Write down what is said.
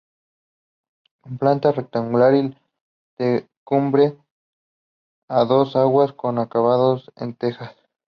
Su planta es rectangular y la techumbre a dos aguas con acabado en tejas.